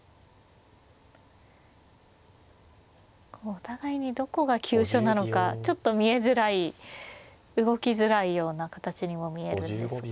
お互いにどこが急所なのかちょっと見えづらい動きづらいような形にも見えるんですが。